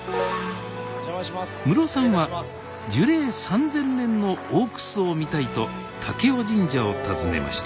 ムロさんは樹齢３，０００年の大楠を見たいと武雄神社を訪ねました